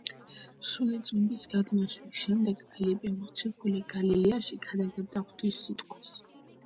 სულიწმინდის გადმოსვლის შემდეგ ფილიპე მოციქული გალილეაში ქადაგებდა ღვთის სიტყვას.